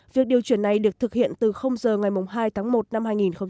việc điều chuyển này được thực hiện từ giờ ngày hai tháng một năm hai nghìn một mươi bảy